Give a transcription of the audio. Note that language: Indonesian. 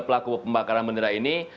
pelaku pembakaran bendera ini